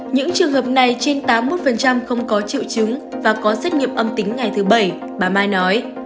những trường hợp này trên tám mươi một không có triệu chứng và có xét nghiệm âm tính ngày thứ bảy bà mai nói